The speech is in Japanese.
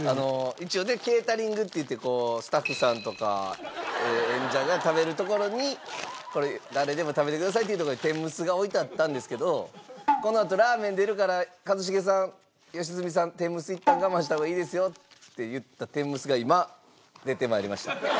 一応ねケータリングっていってスタッフさんとか演者が食べる所に誰でも食べてくださいっていう所に天むすが置いてあったんですけどこのあとラーメン出るから一茂さん良純さん天むすいったん我慢した方がいいですよって言った天むすが今出て参りました。